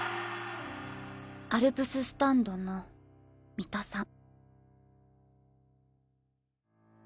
アルプススタンドの三田さん。